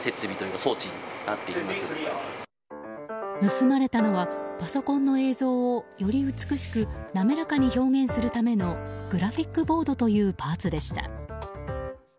盗まれたのはパソコンの映像をより美しく滑らかに表現するためのグラフィックボードというパーツでした。